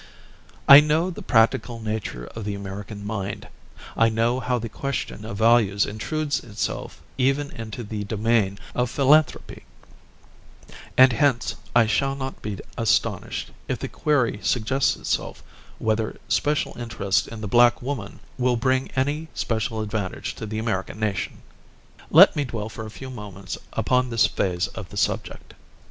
I know the practical nature of the American mind, I know how the question of values intrudes itself into even the domain of philanthropy; and, hence, I shall not be astonished if the query suggests itself, whether special interest in the black woman will bring any special advantage to the American nation. Let me dwell for a few moments upon this phase of the subject.